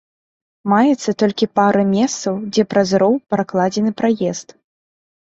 Маецца толькі пара месцаў, дзе праз роў пракладзены праезд.